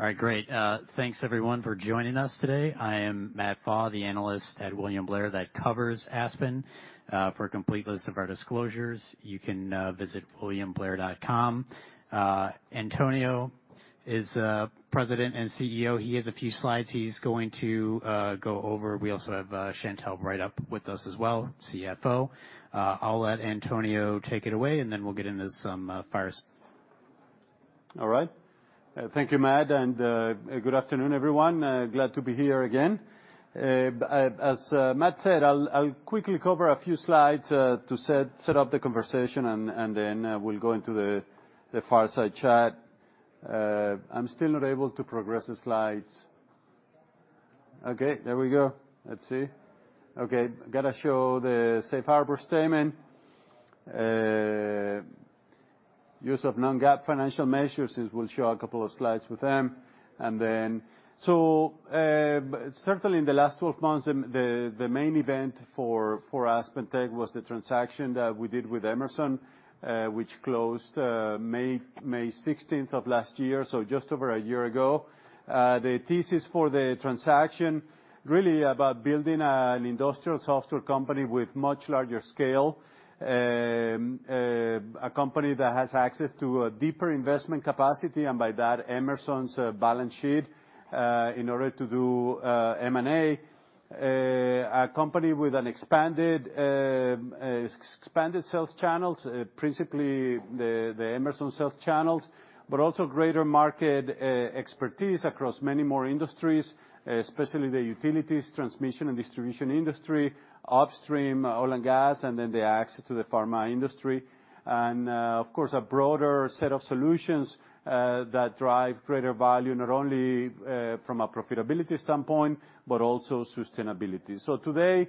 All right, great. Thanks everyone for joining us today. I am Matt Pfau, the analyst at William Blair, that covers Aspen. For a complete list of our disclosures, you can visit williamblair.com. Antonio is President and CEO. He has a few slides he's going to go over. We also have Chantelle Breithaupt up with us as well, CFO. I'll let Antonio take it away, and then we'll get into some fires. All right. Thank you, Matt, and good afternoon, everyone. Glad to be here again. As Matt said, I'll quickly cover a few slides to set up the conversation, and then we'll go into the fireside chat. I'm still not able to progress the slides. Okay, there we go. Let's see. Okay, gotta show the safe harbor statement. Use of non-GAAP financial measures, since we'll show a couple of slides with them, and then... Certainly in the last 12 months, the main event for AspenTech was the transaction that we did with Emerson, which closed May 16th of last year, so just over a year ago. The thesis for the transaction really about building an industrial software company with much larger scale. A company that has access to a deeper investment capacity, and by that, Emerson's balance sheet, in order to do M&A. A company with an expanded sales channels, principally the Emerson sales channels, but also greater market expertise across many more industries, especially the utilities, transmission and distribution industry, upstream, oil and gas, and then the access to the pharma industry. Of course, a broader set of solutions that drive greater value, not only from a profitability standpoint, but also sustainability. Today,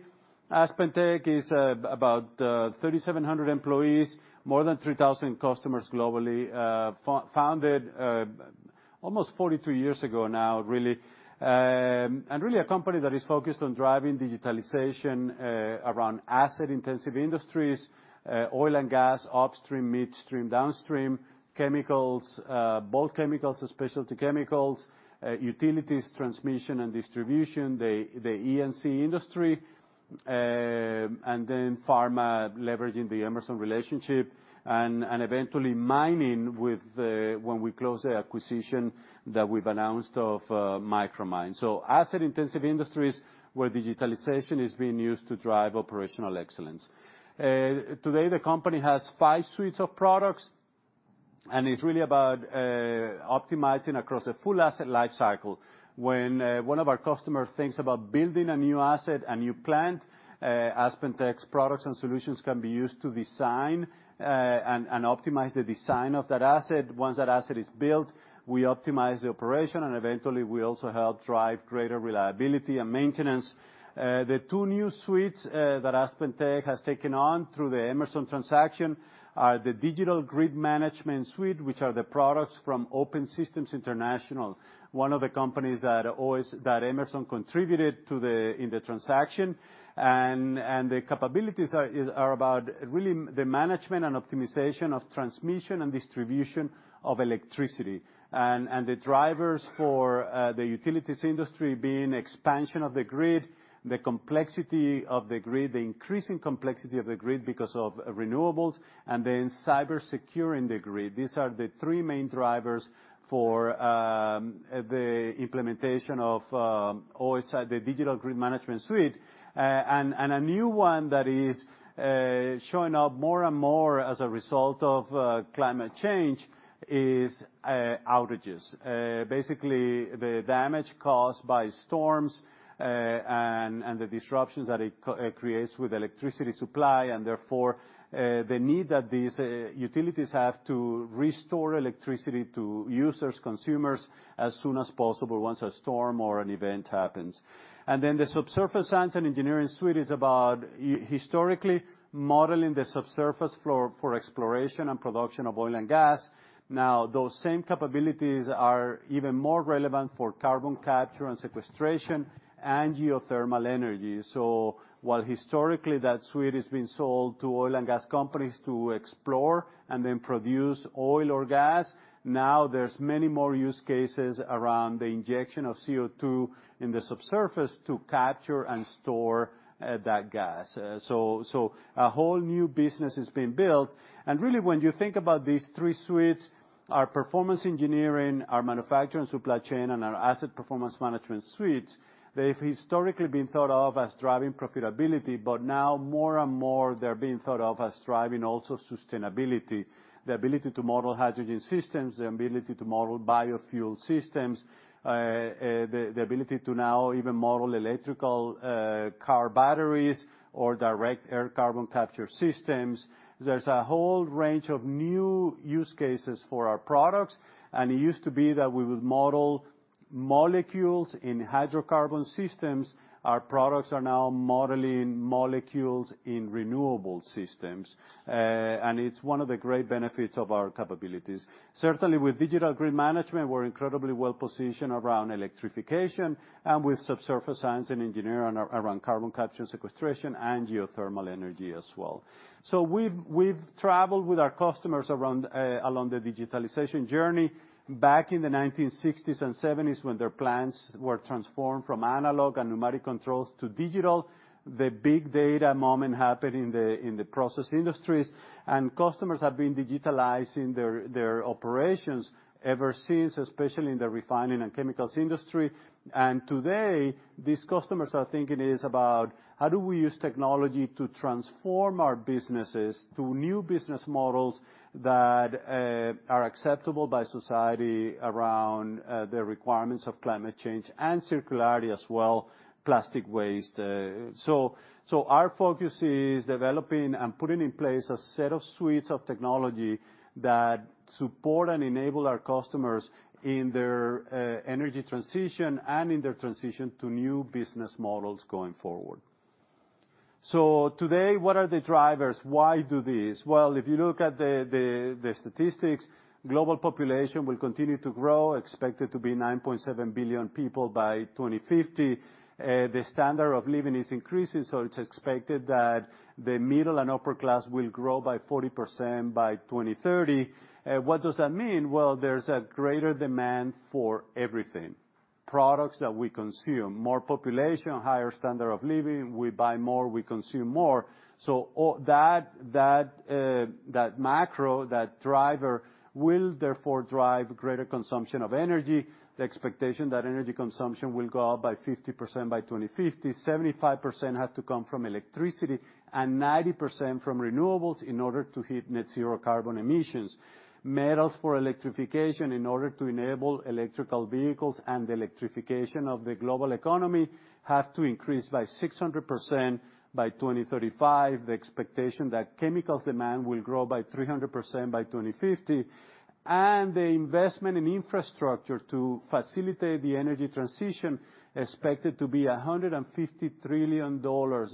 AspenTech is about 3,700 employees, more than 3,000 customers globally. Founded almost 42 years ago now, really. Really a company that is focused on driving digitalization, around asset-intensive industries, oil and gas, upstream, midstream, downstream, chemicals, bulk chemicals, specialty chemicals, utilities, transmission and distribution, the E&C industry, and then pharma, leveraging the Emerson relationship, and eventually mining when we close the acquisition that we've announced of Micromine. Asset-intensive industries, where digitalization is being used to drive operational excellence. Today, the company has five suites of products, and it's really about optimizing across a full asset life cycle. When one of our customers thinks about building a new asset, a new plant, AspenTech's products and solutions can be used to design, and optimize the design of that asset. Once that asset is built, we optimize the operation, and eventually, we also help drive greater reliability and maintenance. The two new suites that AspenTech has taken on through the Emerson transaction are the Digital Grid Management suite, which are the products from Open Systems International, one of the companies that Emerson contributed to the transaction. The capabilities are about really the management and optimization of transmission and distribution of electricity. The drivers for the utilities industry being expansion of the grid, the complexity of the grid, the increasing complexity of the grid because of renewables, and then cyber securing the grid. These are the three main drivers for the implementation of OSI, the Digital Grid Management suite. A new one that is showing up more and more as a result of climate change is outages. Basically, the damage caused by storms, and the disruptions that it creates with electricity supply, and therefore, the need that these utilities have to restore electricity to users, consumers, as soon as possible once a storm or an event happens. The Subsurface Science & Engineering suite is about historically modeling the subsurface for exploration and production of oil and gas. Now, those same capabilities are even more relevant for carbon capture and sequestration and geothermal energy. While historically, that suite has been sold to oil and gas companies to explore and then produce oil or gas, now there's many more use cases around the injection of CO2 in the subsurface to capture and store that gas. A whole new business is being built. When you think about these three suites, our Performance Engineering, our Manufacturing and Supply Chain, and our Asset Performance Management suite, they've historically been thought of as driving profitability, but now more and more, they're being thought of as driving also sustainability. The ability to model hydrogen systems, the ability to model biofuel systems, the ability to now even model electrical car batteries or direct air carbon capture systems. There's a whole range of new use cases for our products, and it used to be that we would model molecules in hydrocarbon systems, our products are now modeling molecules in renewable systems. It's one of the great benefits of our capabilities. Certainly, with Digital Grid Management, we're incredibly well positioned around electrification, and with Subsurface Science & Engineering around carbon capture and sequestration, and geothermal energy as well. We've traveled with our customers around along the digitalization journey. Back in the 1960s and 1970s, when their plants were transformed from analog and numeric controls to digital, the big data moment happened in the process industries, and customers have been digitalizing their operations ever since, especially in the refining and chemicals industry. Today, these customers are thinking is about, how do we use technology to transform our businesses to new business models that are acceptable by society around the requirements of climate change and circularity as well, plastic waste? Our focus is developing and putting in place a set of suites of technology that support and enable our customers in their energy transition and in their transition to new business models going forward. Today, what are the drivers? Why do this? Well, if you look at the statistics, global population will continue to grow, expected to be 9.7 billion people by 2050. The standard of living is increasing, so it's expected that the middle and upper class will grow by 40% by 2030. What does that mean? Well, there's a greater demand for everything. Products that we consume, more population, higher standard of living, we buy more, we consume more. All that macro, that driver, will therefore drive greater consumption of energy. The expectation that energy consumption will go up by 50% by 2050, 75% has to come from electricity, and 90% from renewables in order to hit net zero carbon emissions. Metals for electrification, in order to enable electrical vehicles and the electrification of the global economy, have to increase by 600% by 2035. The expectation that chemical demand will grow by 300% by 2050, and the investment in infrastructure to facilitate the energy transition expected to be $150 trillion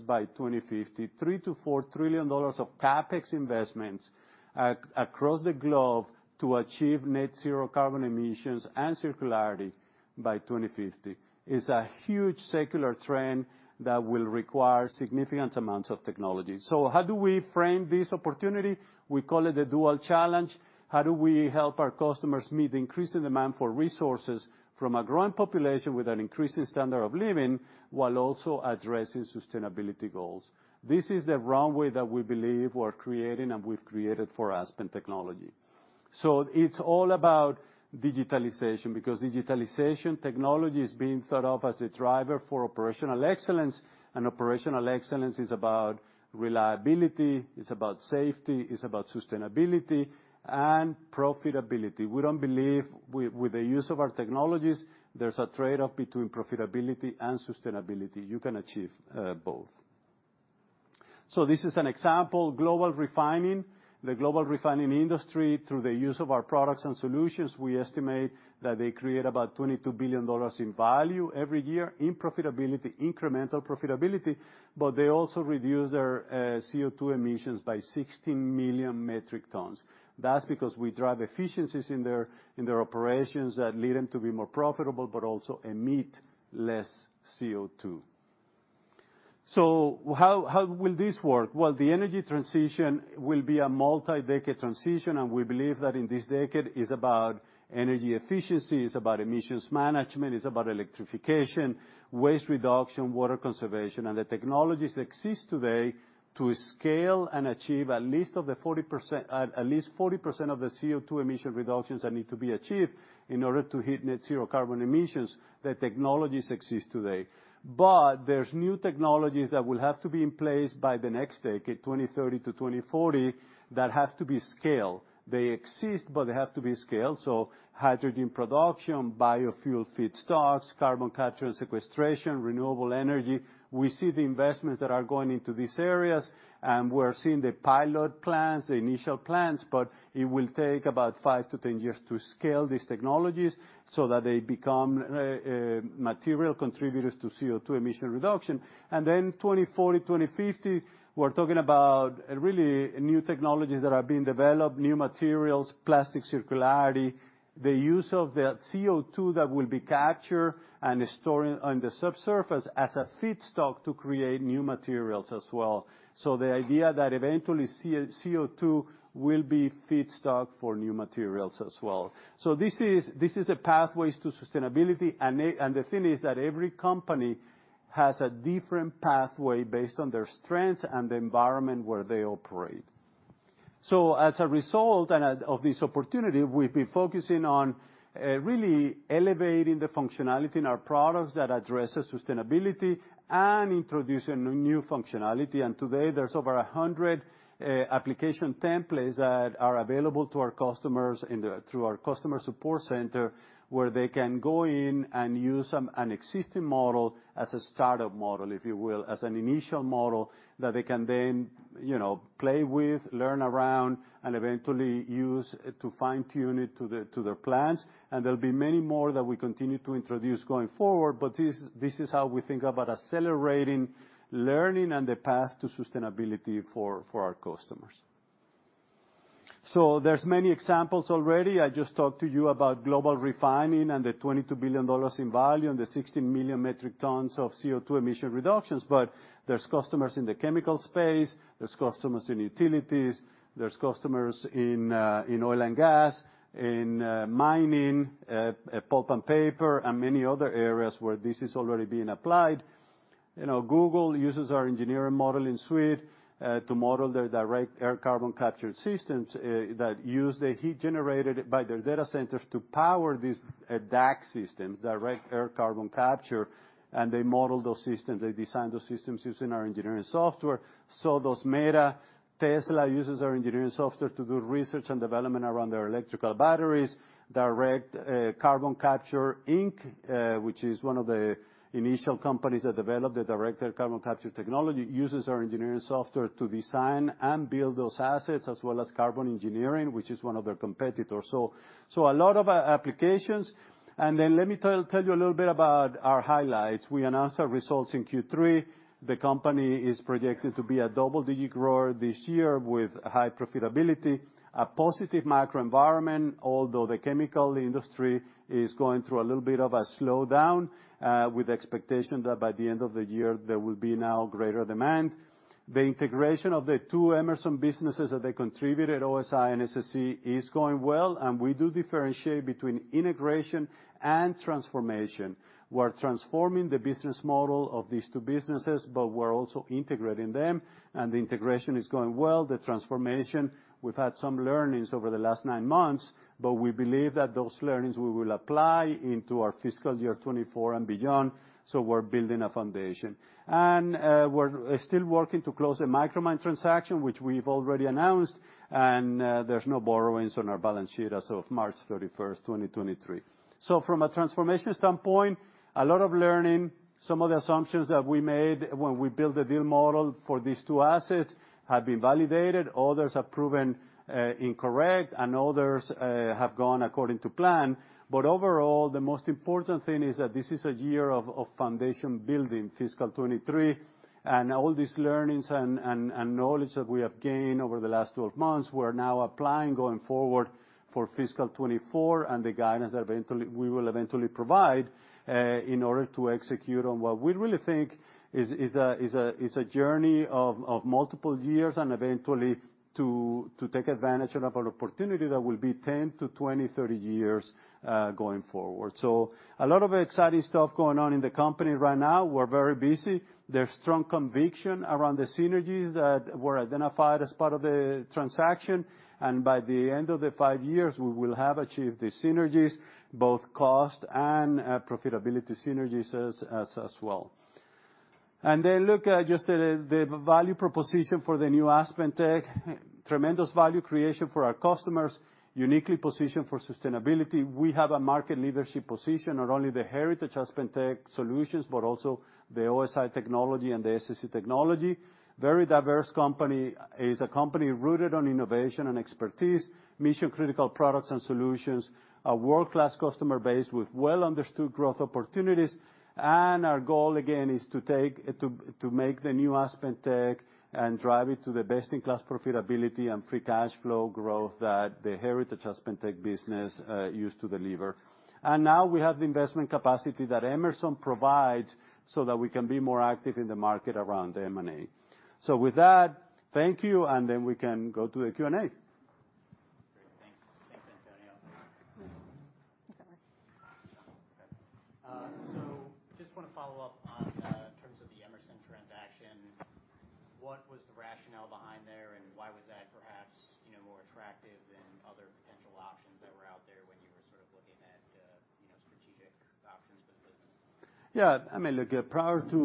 by 2050. $3 trillion-$4 trillion of CapEx investments across the globe to achieve net zero carbon emissions and circularity by 2050. It's a huge secular trend that will require significant amounts of technology. How do we frame this opportunity? We call it the dual challenge. How do we help our customers meet the increasing demand for resources from a growing population with an increasing standard of living, while also addressing sustainability goals? This is the runway that we believe we're creating and we've created for Aspen Technology. It's all about digitalization, because digitalization technology is being thought of as a driver for operational excellence, and operational excellence is about reliability, it's about safety, it's about sustainability and profitability. We don't believe with the use of our technologies, there's a trade-off between profitability and sustainability. You can achieve both. This is an example, global refining. The global refining industry, through the use of our products and solutions, we estimate that they create about $22 billion in value every year in profitability, incremental profitability, but they also reduce their CO2 emissions by 16 million metric tons. That's because we drive efficiencies in their operations that lead them to be more profitable, but also emit less CO2. How will this work? The energy transition will be a multi-decade transition, and we believe that in this decade, it's about energy efficiency, it's about emissions management, it's about electrification, waste reduction, water conservation. The technologies that exist today to scale and achieve at least 40% of the CO2 emission reductions that need to be achieved in order to hit net zero carbon emissions, the technologies exist today. There's new technologies that will have to be in place by the next decade, 2030-2040, that have to be scaled. They exist, but they have to be scaled. Hydrogen production, biofuel feedstocks, carbon capture and sequestration, renewable energy. We see the investments that are going into these areas, and we're seeing the pilot plants, the initial plants, but it will take about five to 10 years to scale these technologies so that they become material contributors to CO2 emission reduction. Then 2040, 2050, we're talking about really new technologies that are being developed, new materials, plastic circularity, the use of the CO2 that will be captured and stored on the subsurface as a feedstock to create new materials as well. The idea that eventually CO2 will be feedstock for new materials as well. This is the pathways to sustainability, and the thing is that every company has a different pathway based on their strengths and the environment where they operate. As a result. of this opportunity, we've been focusing on really elevating the functionality in our products that addresses sustainability and introducing new functionality. Today, there's over 100 application templates that are available to our customers through our customer support center, where they can go in and use an existing model as a startup model, if you will, as an initial model that they can then, you know, play with, learn around, and eventually use to fine-tune it to their plans. There'll be many more that we continue to introduce going forward, but this is how we think about accelerating learning and the path to sustainability for our customers. There's many examples already. I just talked to you about global refining and the $22 billion in value and the 16 million metric tons of CO2 emission reductions. There's customers in the chemical space, there's customers in utilities, there's customers in oil and gas, in mining, pulp and paper, and many other areas where this is already being applied. You know, Google uses our engineering modeling suite to model their direct air carbon capture systems that use the heat generated by their data centers to power these DAC systems, direct air carbon capture, and they model those systems, they design those systems using our engineering software. So does Meta. Tesla uses our engineering software to do research and development around their electrical batteries. CarbonCapture Inc., which is one of the initial companies that developed the direct air carbon capture technology, uses our engineering software to design and build those assets, as well as Carbon Engineering, which is one of their competitors. A lot of applications. Let me tell you a little bit about our highlights. We announced our results in Q3. The company is projected to be a double-digit grower this year, with high profitability, a positive macro environment, although the chemical industry is going through a little bit of a slowdown, with the expectation that by the end of the year, there will be now greater demand. The integration of the two Emerson businesses that they contributed, OSI and SSE, is going well, and we do differentiate between integration and transformation. We're transforming the business model of these two businesses, but we're also integrating them, and the integration is going well. The transformation, we've had some learnings over the last nine months, but we believe that those learnings we will apply into our fiscal year 2024 and beyond, we're building a foundation. We're still working to close the Micromine transaction, which we've already announced, and, there's no borrowings on our balance sheet as of March 31st, 2023. From a transformation standpoint, a lot of learning. Some of the assumptions that we made when we built the deal model for these two assets have been validated, others have proven, incorrect, and others, have gone according to plan. Overall, the most important thing is that this is a year of foundation building, fiscal 2023, and all these learnings and knowledge that we have gained over the last 12 months, we're now applying going forward for fiscal 2024, and the guidance we will eventually provide in order to execute on what we really think is a journey of multiple years, and eventually to take advantage of an opportunity that will be 10-20, 30 years going forward. A lot of exciting stuff going on in the company right now. We're very busy. There's strong conviction around the synergies that were identified as part of the transaction, and by the end of the five years, we will have achieved the synergies, both cost and profitability synergies as well. Look at just the value proposition for the new AspenTech. Tremendous value creation for our customers, uniquely positioned for sustainability. We have a market leadership position, not only the heritage AspenTech solutions, but also the OSI technology and the SSE technology. Very diverse company. It is a company rooted on innovation and expertise, mission-critical products and solutions, a world-class customer base with well-understood growth opportunities. Our goal, again, is to make the new AspenTech and drive it to the best-in-class profitability and free cash flow growth that the heritage AspenTech business used to deliver. We have the investment capacity that Emerson provides, so that we can be more active in the market around the M&A. With that, thank you, we can go to the Q&A. Great. Thanks. Thanks, Antonio. Sorry. Okay. Just wanna follow up on in terms of the Emerson transaction. What was the rationale behind there, and why was that perhaps, you know, more attractive than other potential options that were out there when you were sort of looking at, you know, strategic options for the business? Yeah. I mean, look, prior to,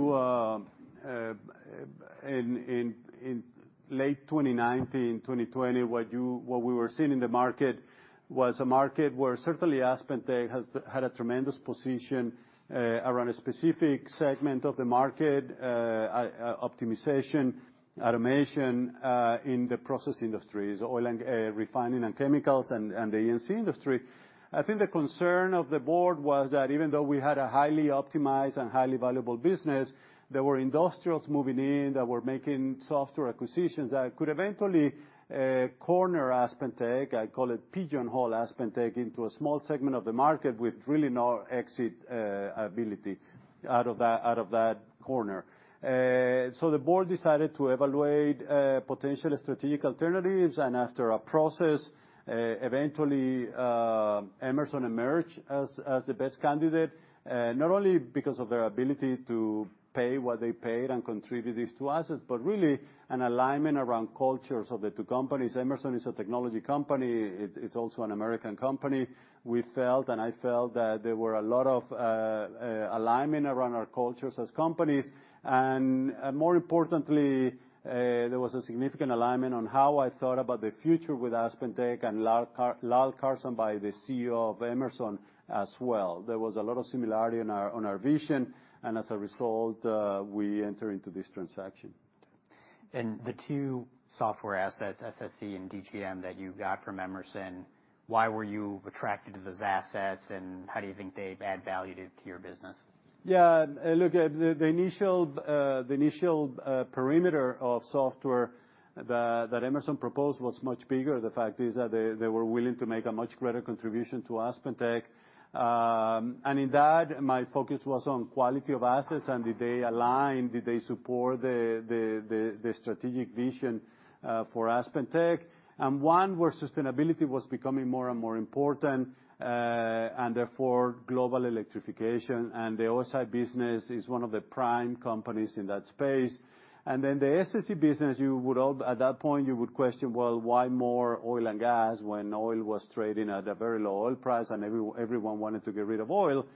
in late 2019, 2020, what we were seeing in the market was a market where certainly AspenTech has had a tremendous position around a specific segment of the market, optimization, automation, in the process industries, oil and refining and chemicals, and the E&C industry. I think the concern of the board was that even though we had a highly optimized and highly valuable business, there were industrials moving in that were making software acquisitions that could eventually corner AspenTech, I call it pigeonhole AspenTech, into a small segment of the market with really no exit ability out of that corner. The board decided to evaluate potential strategic alternatives, and after a process, eventually Emerson emerged as the best candidate, not only because of their ability to pay what they paid and contribute these two assets, but really an alignment around cultures of the two companies. Emerson is a technology company. It's also an American company. We felt, and I felt that there were a lot of alignment around our cultures as companies. More importantly, there was a significant alignment on how I thought about the future with AspenTech and Lal Karsanbhai the CEO of Emerson as well. There was a lot of similarity on our, on our vision. As a result, we entered into this transaction. And the two software assets, SSE and DGM, that you got from Emerson, why were you attracted to those assets, and how do you think they add value to your business? Yeah, look, at the initial perimeter of software that Emerson proposed was much bigger. The fact is that they were willing to make a much greater contribution to AspenTech. In that, my focus was on quality of assets, and did they align, did they support the strategic vision for AspenTech? One, where sustainability was becoming more and more important, therefore, global electrification, and the OSI business is one of the prime companies in that space. Then the SSE business, at that point, you would question, "Well, why more oil and gas," when oil was trading at a very low oil price, and everyone wanted to get rid of oil.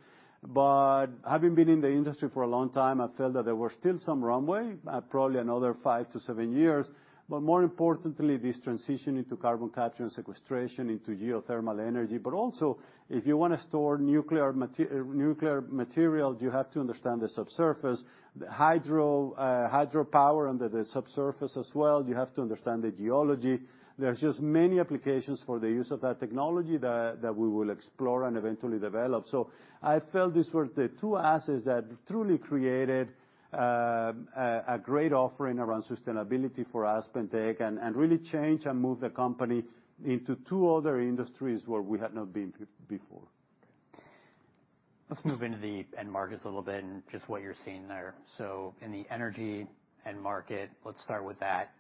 Having been in the industry for a long time, I felt that there were still some runway, probably another five to seven years. More importantly, this transition into carbon capture and sequestration into geothermal energy. Also, if you wanna store nuclear material, you have to understand the subsurface, the hydropower under the subsurface as well, you have to understand the geology. There are just many applications for the use of that technology that we will explore and eventually develop. I felt these were the two assets that truly created a great offering around sustainability for AspenTech, and really change and move the company into two other industries where we had not been before. Let's move into the end markets a little bit and just what you're seeing there. In the energy end market, let's start with that.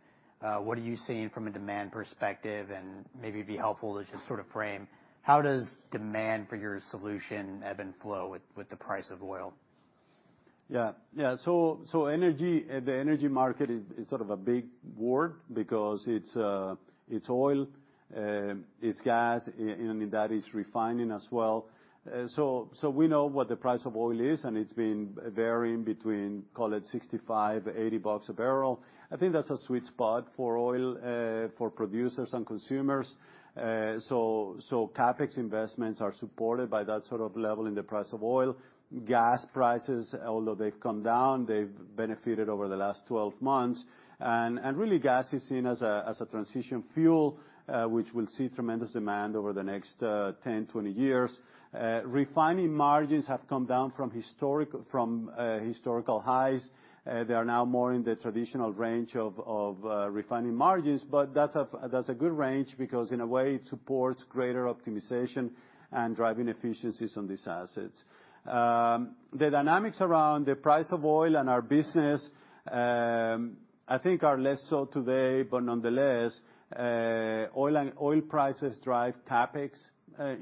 What are you seeing from a demand perspective? Maybe it'd be helpful to just sort of frame, how does demand for your solution ebb and flow with the price of oil? Yeah. Energy, the energy market is sort of a big word because it's oil, it's gas, and that is refining as well. We know what the price of oil is, and it's been varying between, call it $65, $80 a barrel. I think that's a sweet spot for oil, for producers and consumers. CapEx investments are supported by that sort of level in the price of oil. Gas prices, although they've come down, they've benefited over the last 12 months. Really, gas is seen as a transition fuel, which will see tremendous demand over the next 10, 20 years. Refining margins have come down from historic, from historical highs. They are now more in the traditional range of refining margins, but that's a good range because, in a way, it supports greater optimization and driving efficiencies on these assets. The dynamics around the price of oil and our business, I think are less so today, but nonetheless, oil prices drive CapEx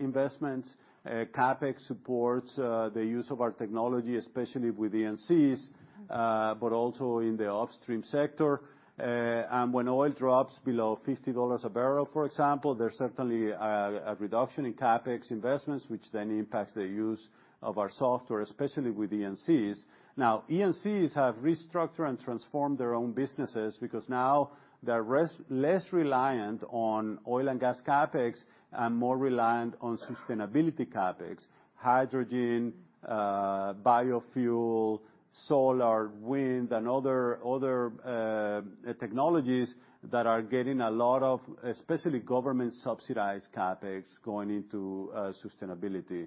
investments. CapEx supports the use of our technology, especially with E&Cs, but also in the upstream sector. When oil drops below $50 a barrel, for example, there's certainly a reduction in CapEx investments, which then impacts the use of our software, especially with E&Cs. Now, E&Cs have restructured and transformed their own businesses because now they're less reliant on oil and gas CapEx, and more reliant on sustainability CapEx, hydrogen, biofuel, solar, wind, and other technologies that are getting a lot of, especially government-subsidized CapEx, going into sustainability.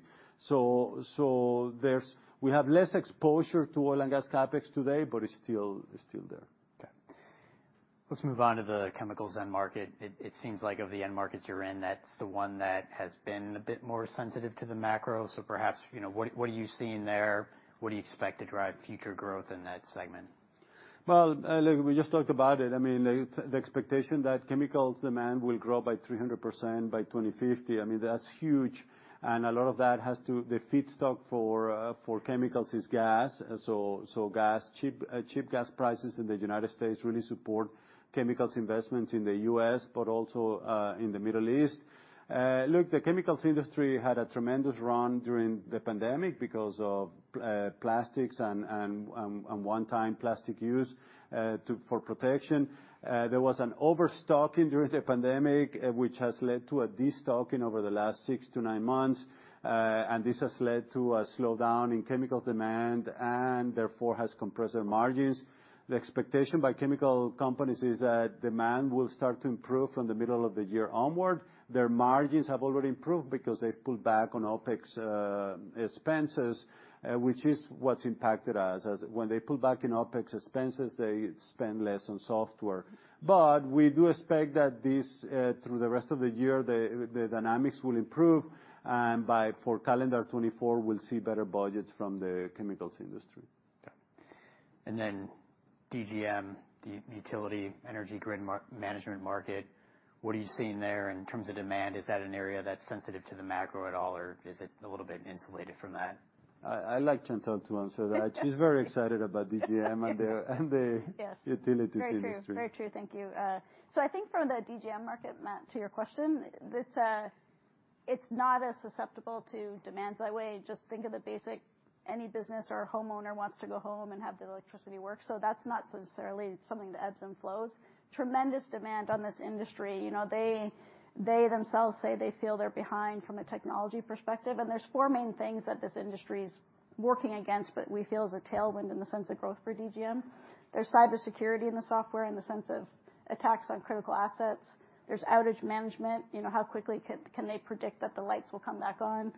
We have less exposure to oil and gas CapEx today, but it's still there. Let's move on to the chemicals end market. It seems like of the end markets you're in, that's the one that has been a bit more sensitive to the macro. Perhaps, you know, what are you seeing there? What do you expect to drive future growth in that segment? Look, we just talked about it. I mean, the expectation that chemicals demand will grow by 300% by 2050, I mean, that's huge, and a lot of that has to... The feedstock for chemicals is gas, so gas, cheap gas prices in the United States really support chemicals investments in the U.S., but also in the Middle East. Look, the chemicals industry had a tremendous run during the pandemic because of plastics and one-time plastic use to for protection. There was an overstocking during the pandemic, which has led to a destocking over the last six to nine months, and this has led to a slowdown in chemical demand and therefore has compressed the margins. The expectation by chemical companies is that demand will start to improve from the middle of the year onward. Their margins have already improved because they've pulled back on OpEx expenses, which is what's impacted us. When they pull back in OpEx expenses, they spend less on software. We do expect that this through the rest of the year, the dynamics will improve, and for calendar 2024, we'll see better budgets from the chemicals industry. Okay. DGM, the utility energy grid management market, what are you seeing there in terms of demand? Is that an area that's sensitive to the macro at all, or is it a little bit insulated from that? I'd like Chantelle to answer that. She's very excited about DGM. Yes utilities industry. Very true, very true. Thank you. I think from the DGM market, Matt, to your question, it's not as susceptible to demands that way. Just think of any business or homeowner wants to go home and have the electricity work, so that's not necessarily something that ebbs and flows. Tremendous demand on this industry. You know, they themselves say they feel they're behind from a technology perspective, and there's four main things that this industry's working against, but we feel is a tailwind in the sense of growth for DGM. There's cybersecurity in the software, in the sense of attacks on critical assets. There's outage management, you know, how quickly can they predict that the lights will come back on?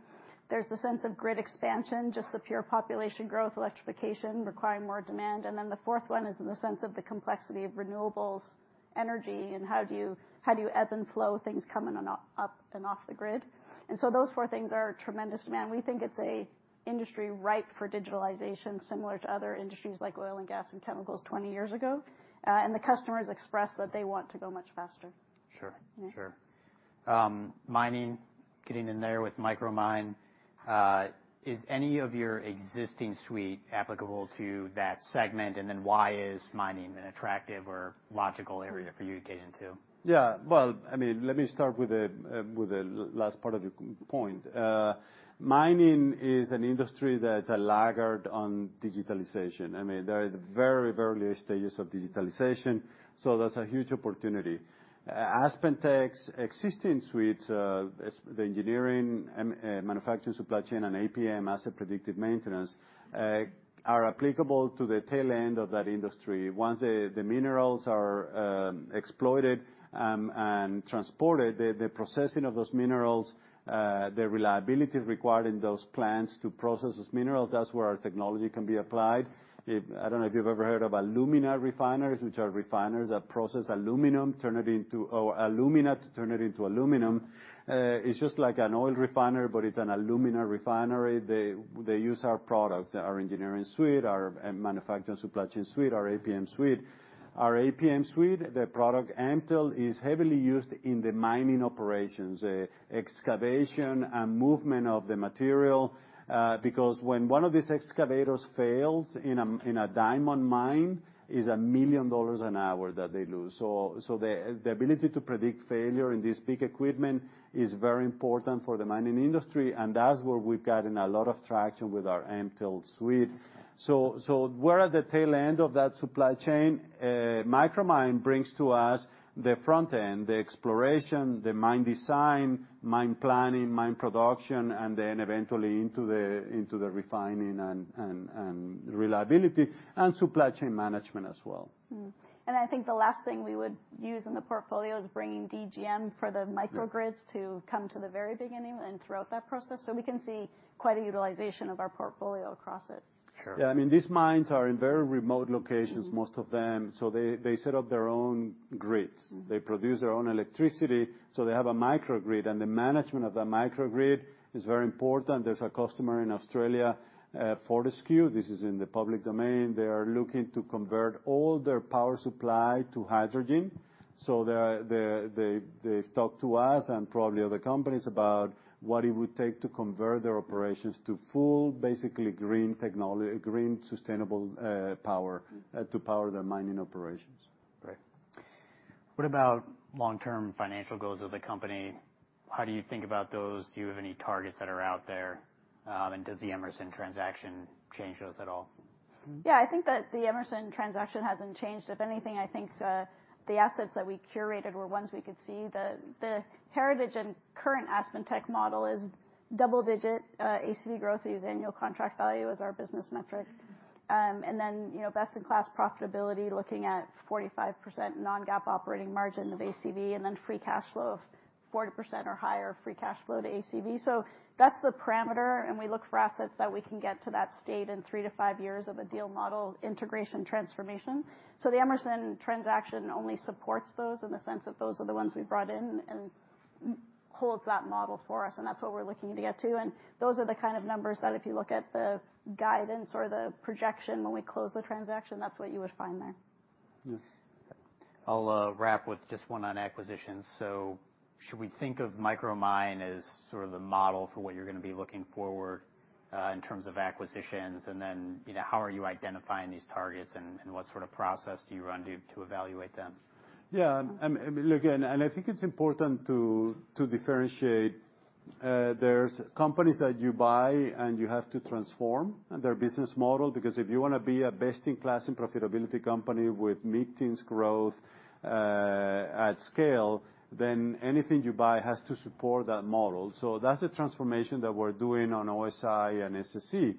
There's the sense of grid expansion, just the pure population growth, electrification requiring more demand. The fourth one is in the sense of the complexity of renewables energy, and how do you ebb and flow things coming on off, up and off the grid? Those four things are in tremendous demand. We think it's a industry ripe for digitalization, similar to other industries like oil and gas and chemicals 20 years ago. The customers express that they want to go much faster. Sure. Yeah. Sure. mining, getting in there with Micromine, is any of your existing suite applicable to that segment? Why is mining an attractive or logical area for you to get into? Well, I mean, let me start with the last part of your point. Mining is an industry that's a laggard on digitalization. I mean, they're at the very, very early stages of digitalization, there's a huge opportunity. AspenTech's existing suites, the Engineering and Manufacturing and Supply Chain, and APM, Asset Performance Management, are applicable to the tail end of that industry. Once the minerals are exploited and transported, the processing of those minerals, the reliability required in those plants to process those minerals, that's where our technology can be applied. I don't know if you've ever heard of alumina refiners, which are refiners that process aluminum, turn it into, or alumina, to turn it into aluminum. It's just like an oil refiner, it's an alumina refinery. They use our products, our Performance Engineering suite, our Manufacturing and Supply Chain suite, our APM suite. Our APM suite, the product Mtell, is heavily used in the mining operations, excavation and movement of the material, because when one of these excavators fails in a diamond mine, it's $1 million an hour that they lose. The ability to predict failure in this big equipment is very important for the mining industry, and that's where we've gotten a lot of traction with our Mtell suite. We're at the tail end of that supply chain. Micromine brings to us the front end, the exploration, the mine design, mine planning, mine production, and then eventually into the refining and reliability and supply chain management as well. Mm-hmm. I think the last thing we would use in the portfolio is bringing DGM for the microgrids to come to the very beginning and throughout that process, so we can see quite a utilization of our portfolio across it. Sure. Yeah, I mean, these mines are in very remote locations. Most of them, they set up their own grids. Mm-hmm. They produce their own electricity, so they have a microgrid, and the management of that microgrid is very important. There's a customer in Australia, Fortescue, this is in the public domain. They are looking to convert all their power supply to hydrogen, so they've talked to us and probably other companies about what it would take to convert their operations to full, basically, green, sustainable power to power their mining operations. Great. What about long-term financial goals of the company? How do you think about those? Do you have any targets that are out there? Does the Emerson transaction change those at all? Yeah, I think that the Emerson transaction hasn't changed. If anything, I think, the assets that we curated were ones we could see. The, the heritage and current AspenTech model is double digit, ACV growth. We use annual contract value as our business metric. And then, you know, best-in-class profitability, looking at 45% non-GAAP operating margin of ACV, and then free cash flow of 40% or higher, free cash flow to ACV. That's the parameter, and we look for assets that we can get to that state in three to five years of a deal model, integration, transformation. The Emerson transaction only supports those, in the sense that those are the ones we brought in and holds that model for us, and that's what we're looking to get to. Those are the kind of numbers that if you look at the guidance or the projection when we close the transaction, that's what you would find there. Yes. I'll wrap with just one on acquisitions. Should we think of Micromine as sort of the model for what you're gonna be looking forward, in terms of acquisitions? Then, you know, how are you identifying these targets, and what sort of process do you run to evaluate them? Yeah, look, I think it's important to differentiate. There's companies that you buy, you have to transform their business model, because if you wanna be a best-in-class and profitability company with mid-teens growth, at scale, then anything you buy has to support that model. That's a transformation that we're doing on OSI and SSE.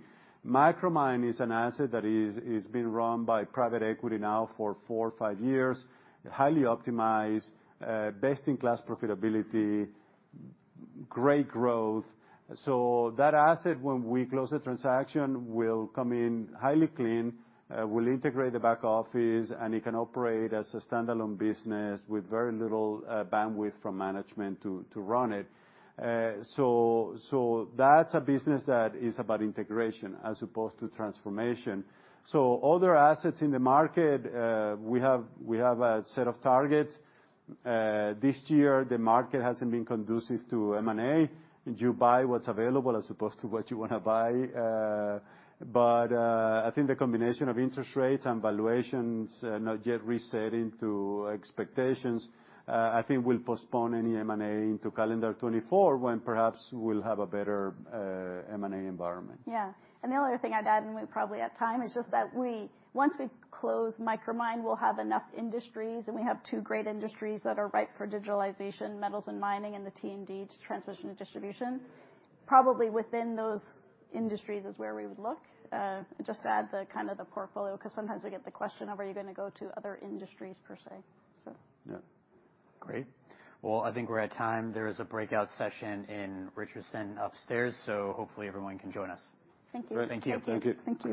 Micromine is an asset that is being run by private equity now for four or five years, highly optimized, best-in-class profitability, great growth. That asset, when we close the transaction, will come in highly clean. We'll integrate the back office, and it can operate as a standalone business with very little bandwidth from management to run it. That's a business that is about integration as opposed to transformation. Other assets in the market, we have a set of targets. This year, the market hasn't been conducive to M&A, and you buy what's available as opposed to what you want to buy. I think the combination of interest rates and valuations not yet resetting to expectations, I think will postpone any M&A into calendar 2024, when perhaps we'll have a better M&A environment. Yeah, the only other thing I'd add, and we're probably at time, is just that once we close Micromine, we'll have enough industries, and we have two great industries that are ripe for digitalization, metals and mining, and the T&D, transmission and distribution. Probably within those industries is where we would look just to add the kind of the portfolio, 'cause sometimes we get the question of, are you gonna go to other industries per se? Yeah. Great. Well, I think we're at time. There is a breakout session in Richardson upstairs. Hopefully everyone can join us. Thank you. Great. Thank you. Thank you. Thank you.